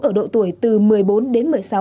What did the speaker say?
ở độ tuổi từ một mươi bốn đến một mươi sáu